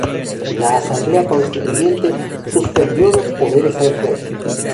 La Asamblea Constituyente suspendió los poderes al Rey.